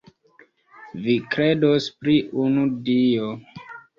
Vi kredos pri unu Dio.